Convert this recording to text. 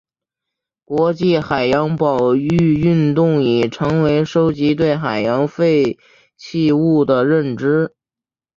国际海洋保育运动已成功收集对海洋废弃物的认识。